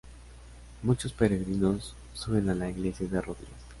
Muchos peregrinos suben a la iglesia de rodillas.